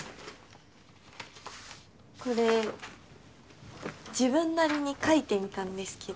これ自分なりに描いてみたんですけど。